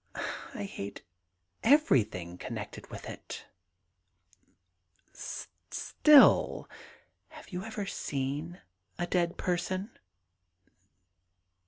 I hate everything connected with it.' * Still '* Have you ever seen a dead person